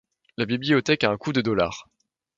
La bibliothèque a un coût de de dollars.